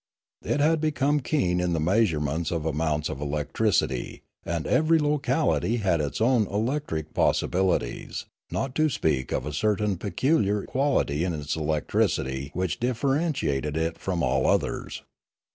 It had become keen in the measurements of amounts of electricity; and every locality had its own electric possibilities, not to speak of a certain peculiar quality in its electricity which differentiated it from all others.